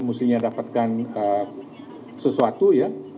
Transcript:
mestinya dapatkan sesuatu ya